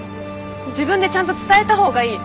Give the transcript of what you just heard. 自分でちゃんと伝えた方がいい。